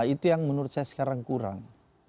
itu yang menurut saya sekarang kurang